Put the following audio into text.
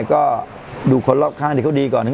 แล้วก็ดูคนล่อกล้างที่เขาดีก่อน